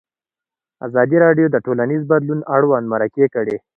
ازادي راډیو د ټولنیز بدلون اړوند مرکې کړي.